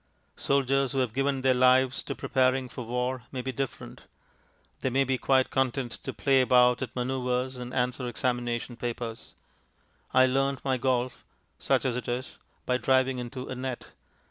Soldiers who have given their lives to preparing for war may be different; they may be quite content to play about at manoeuvres and answer examination papers. I learnt my golf (such as it is) by driving into a net.